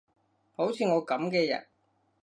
好似我噉嘅人